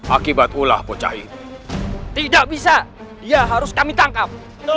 akibat ulah bocah ini tidak bisa dia harus kami tangkap